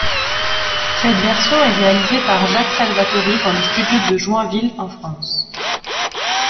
Cette version est réalisé par Jack Salvatori dans les studios de Joinville en France.